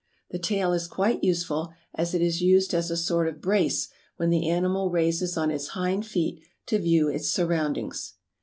The tail is quite useful, as it is used as a sort of brace when the animal raises on its hind feet to view its surroundings.